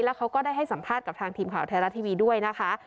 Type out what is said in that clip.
แล้วเขาก็ได้ให้สัมภาษณ์กับทางทีมข่าวไทยรัฐทีวีด้วยนะคะ